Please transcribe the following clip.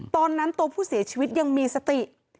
ตอนนั้นตัวผู้เสียชีวิตยังมีสติ